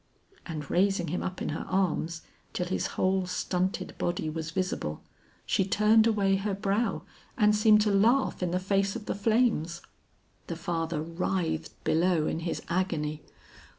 And raising him up in her arms till his whole stunted body was visible, she turned away her brow and seemed to laugh in the face of the flames. The father writhed below in his agony.